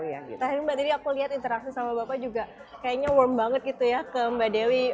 terakhir mbak tadi aku lihat interaksi sama bapak juga kayaknya worm banget gitu ya ke mbak dewi